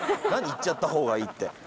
「行っちゃった方がいい」って。